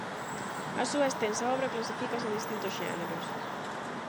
A súa extensa obra clasifícase en distintos xéneros.